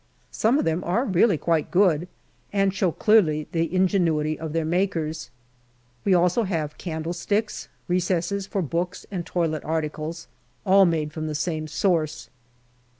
Some of them are really quite good, and show clearly the ingenuity of their makers. We also have candlesticks, recesses for books, and toilet articles, all from the same source.